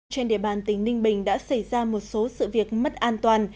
trên địa bàn tỉnh ninh bình đã xảy ra một số sự việc mất an toàn